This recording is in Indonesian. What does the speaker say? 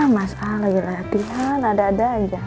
masalah lagi latihan ada ada aja